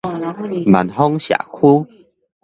萬芳社區